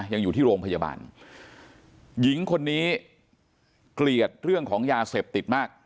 ยังอยู่ที่โรงพยาบาลหญิงคนนี้เกลียดเรื่องของยาเสพติดมาก